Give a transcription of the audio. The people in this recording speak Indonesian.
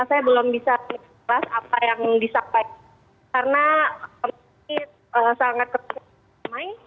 saya belum bisa menjelaskan apa yang disampaikan karena sangat ketawa